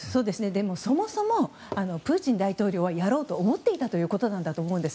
そもそもプーチン大統領はやろうと思っていたということなんだと思うんです。